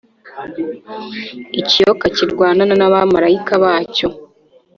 ikiyoka kirwanana n’abamarayika bacyo.